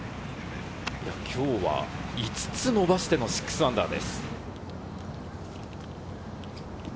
今日は５つ伸ばしての−６です。